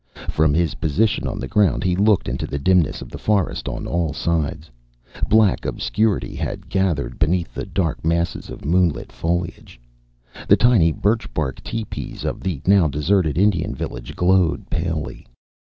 From his position on the ground he looked into the dimness of the forest on all sides. Black obscurity had gathered beneath the dark masses of moonlit foliage. The tiny birch bark teepees of the now deserted Indian village glowed palely.